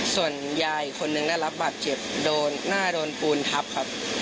ส่วนยายอีกคนนึงได้รับบาดเจ็บโดนหน้าโดนปูนทับครับ